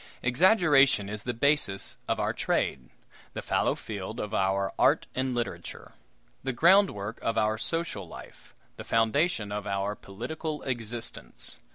Exaggeration is the basis of our trade, the fallow field of our art and literature, the groundwork of our social life, the foundation of our political existence.